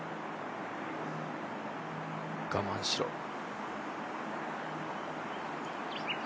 我慢しろ。